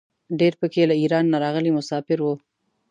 ډېر په کې له ایران نه راغلي مساپر وو.